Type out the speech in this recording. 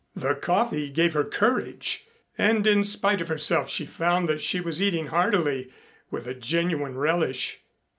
The coffee gave her courage, and in spite of herself she found that she was eating heartily with a genuine relish.